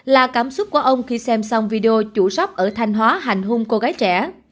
là cảm xúc của ông khi xem xong video chủ sóc ở thanh hóa hành hung cô gái trẻ